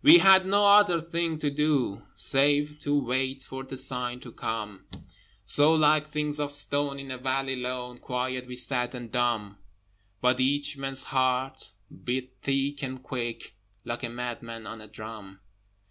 We had no other thing to do, Save to wait for the sign to come: So, like things of stone in a valley lone, Quiet we sat and dumb: But each man's heart beat thick and quick Like a madman on a drum!